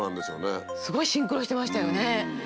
すごいシンクロしてましたよね。